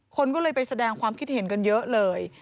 คนก็เลยไปแสดงความคิดเห็นกันเยอะเลย